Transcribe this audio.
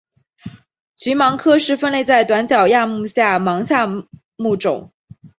鹬虻科是分类在短角亚目下的虻下目中。